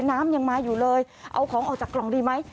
น้ำยังมาอยู่เลยเอาของออกจากกล่องดีไหม